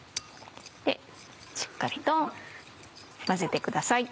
しっかりと混ぜてください。